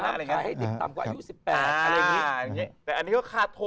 แรงผลักให้ติดต่ำกว่าอายุ๑๘